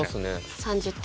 ３０点。